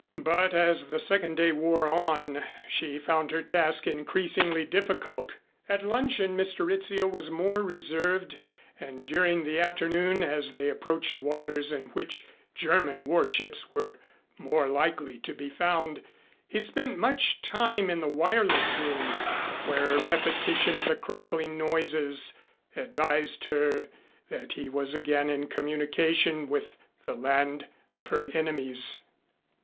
But as the second day wore on she found her task increasingly difficult. At luncheon Mr. Rizzio was more reserved and during the afternoon as they approached waters in which German warships were more likely to be found he spent much time in the wireless room, where a repetition of the crackling noises advised her that he was again in communication with the land of her enemies.